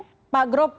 pak grup pak grup